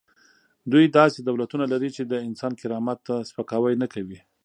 دوی داسې دولتونه لري چې د انسان کرامت ته سپکاوی نه کوي.